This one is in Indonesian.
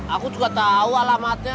aku juga tahu alamatnya